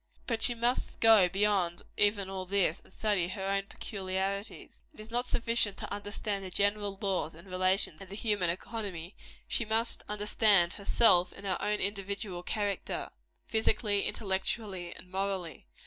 But she must go beyond even all this, and study her own peculiarities. It is not sufficient to understand the general laws and relations of the human economy; she must understand herself in her own individual character physically, intellectually and morally.